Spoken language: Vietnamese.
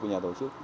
của nhà tổ chức